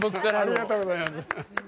ありがとうございます。